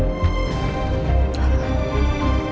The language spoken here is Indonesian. kita bisa berdua kita bisa berdua